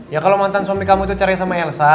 ya kalau mantan suami kamu itu cari sama elsa